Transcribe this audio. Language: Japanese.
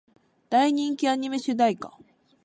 大人気アニメ主題歌